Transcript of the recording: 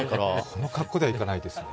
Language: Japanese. この格好では行かないですね。